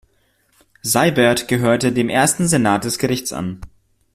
Seibert gehörte dem ersten Senat des Gerichts an.